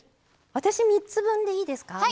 私、３つ分でいいですか。